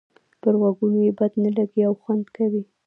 پر غوږونو یې بد نه لګيږي او خوند کوي.